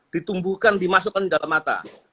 ditumbuhkan dimasukkan ke dalam mata